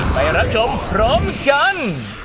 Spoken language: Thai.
ไปรับชมพร้อมกัน